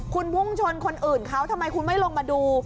คุณพุ่งชนคนอื่นเขาทำไมคุณไม่ลงมาดู